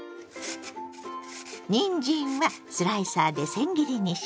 にんじんはスライサーでせん切りにします。